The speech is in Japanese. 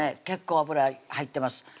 結構油入ってます